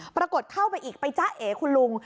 ปรากฏเข้าไปอีกไปจ้าเอคุณลุง